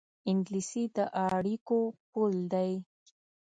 انګلیسي د اړیکو پُل دی